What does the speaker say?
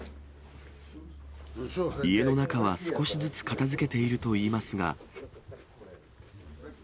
家の中は少しずつ片づけているといいますが。